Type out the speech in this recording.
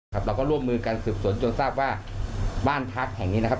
เราก็ร่วมมือกันสืบสวนจนทราบว่าบ้านพักแห่งนี้นะครับ